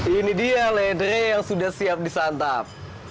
ini dia ledre yang sudah siap disantap